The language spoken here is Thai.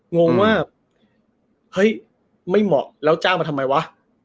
งงว่าเฮ้ยไม่เหมาะแล้วจ้างมาทำไมวะ